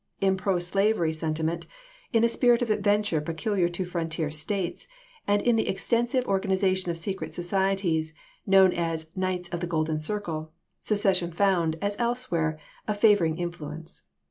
In pro slavery senti ment, in a spirit of adventure peculiar to frontier States, and in the extensive organization of secret societies known as " Knights of the Golden Circle," secession found, as elsewhere, a favoring influ ence.